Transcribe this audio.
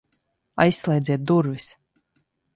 Aizslēdziet durvis!